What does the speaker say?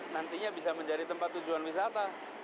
nantinya bisa menjadi tempat tujuan wisata